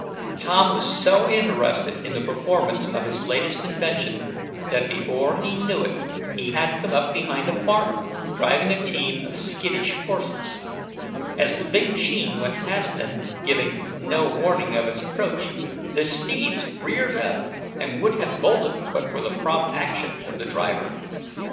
Tom was so interested in the performance of his latest invention, that, before he knew it, he had come up behind a farmer, driving a team of skittish horses. As the big machine went past them, giving no warning of its approach, the steeds reared up, and would have bolted, but for the prompt action of the driver.